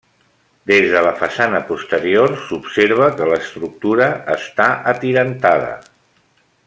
Des de la façana posterior s'observa que l'estructura està atirantada.